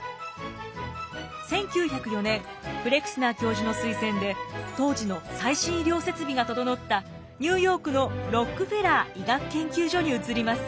１９０４年フレクスナー教授の推薦で当時の最新医療設備が整ったニューヨークのロックフェラー医学研究所に移ります。